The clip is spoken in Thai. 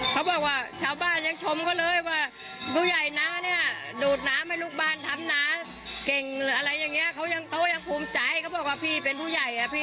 เพราะเหตุอะไรมึงถึงมาทำได้ถึงขนาดนี้